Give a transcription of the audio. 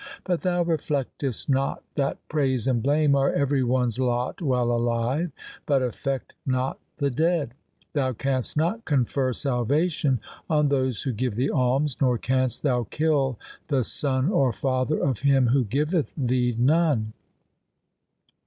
But thou reflectest not that praise and blame are every one's lot while alive, but affect not the dead. Thou canst not confer salvation on those who give thee alms, nor canst thou kill the son or father of him who giveth thee none.